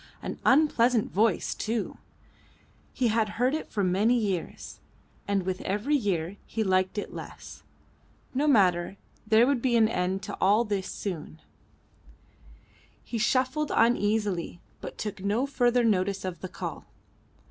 An unpleasant voice too. He had heard it for many years, and with every year he liked it less. No matter; there would be an end to all this soon. He shuffled uneasily, but took no further notice of the call.